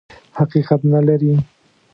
حقیقت نه لري.